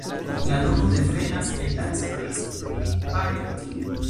La nomo devenas el la esploristo Phillip Parker King.